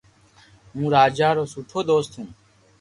ھون راجا رو سٺو دوست ھون